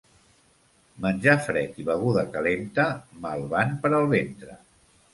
Menjar fred i beguda calenta mal van per al ventre.